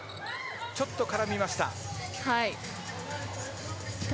ちょっと絡みました。